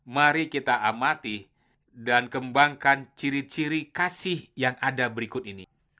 mari kita amati dan kembangkan ciri ciri kasih yang ada berikut ini